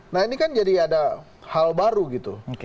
nah ini kan jadi ada hal baru gitu